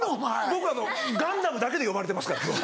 僕『ガンダム』だけで呼ばれてますから今日。